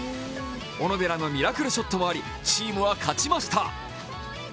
小野寺のミラクルショットもありチームは勝ちました。